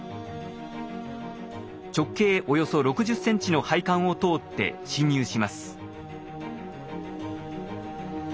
直径およそ６０ｃｍの配管を通って進入します。